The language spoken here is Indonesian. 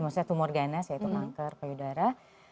maksudnya tumor ganas yaitu kanker payudara